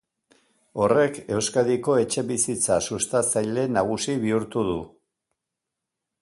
Horrek Euskadiko etxebizitza-sustatzaile nagusi bihurtu du.